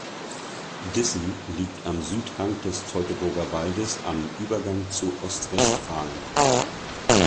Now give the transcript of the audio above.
Dissen liegt am Südhang des Teutoburger Waldes am Übergang zu Ostwestfalen.